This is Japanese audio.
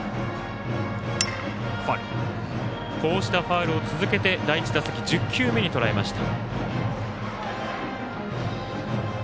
こうしたファウルを続けて第１打席１０球目にとらえました。